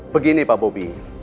begini pak bobby